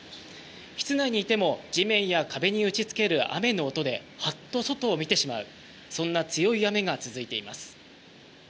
室内にいても地面や風に打ちつける雨の音でハッと外を見てしまうそんな強い雨が続いています。